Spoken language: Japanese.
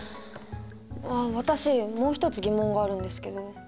あっ私もう一つ疑問があるんですけど。